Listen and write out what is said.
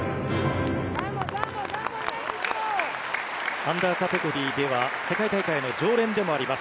アンダーカテゴリーでは世界大会の常連でもあります。